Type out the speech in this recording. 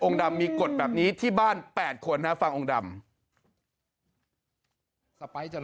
ดำมีกฎแบบนี้ที่บ้าน๘คนฟังองค์ดำ